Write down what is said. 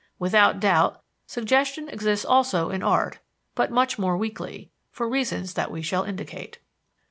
Without doubt suggestion exists also in art, but much more weakly, for reasons that we shall indicate.